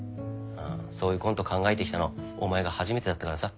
そういうコント考えてきたのお前が初めてだったからさ。